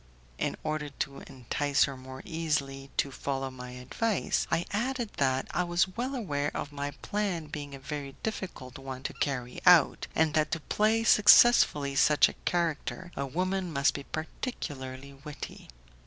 In order to entice her more easily to follow my advice, I added that I was well aware of my plan being a very difficult one to carry out, and that to play successfully such a character a woman must be particularly witty.